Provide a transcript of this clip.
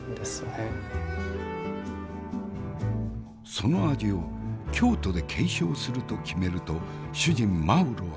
その味を京都で継承すると決めると主人マウロは喜んでくれた。